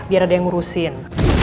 biar ada yang ngurusin